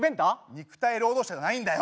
肉体労働者じゃないんだよ！